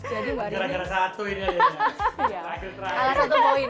jadi mbak rini